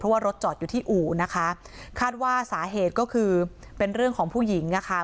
ว่ารถจอดอยู่ที่อู่นะคะคาดว่าสาเหตุก็คือเป็นเรื่องของผู้หญิงนะคะ